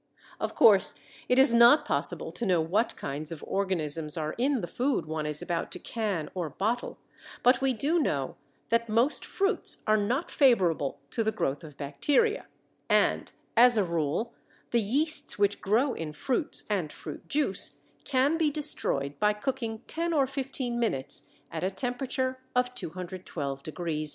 Of course, it is not possible to know what kinds of organisms are in the food one is about to can or bottle; but we do know that most fruits are not favorable to the growth of bacteria, and, as a rule, the yeasts which grow in fruits and fruit juice can be destroyed by cooking ten or fifteen minutes at a temperature of 212° F.